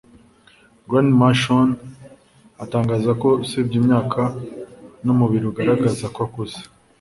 Grandma Shon atangaza ko usibye imyaka n’umubiri ugaragaza ko akuze